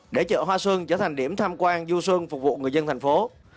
để chợ hoa xuân trở thành điểm tham quan du xuân phục vụ người dân thành phố